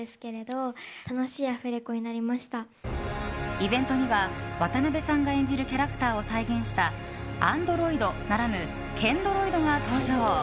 イベントには、渡辺さんが演じるキャラクターを再現したアンドロイドならぬ謙ドロイドが登場。